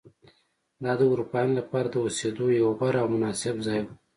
دا د اروپایانو لپاره د اوسېدو یو غوره او مناسب ځای و.